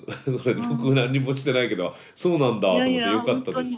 僕何にもしてないけどそうなんだあと思ってよかったです。